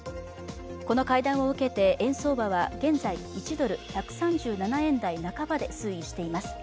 この会談を受けて、円相場は現在１ドル＝１３７円台半ばで推移しています。